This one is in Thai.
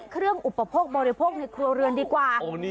อุปโภคบริโภคในครัวเรือนดีกว่า